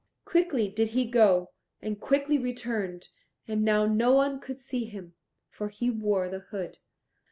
Quickly did he go, and quickly returned, and now no one could see him, for he wore the hood.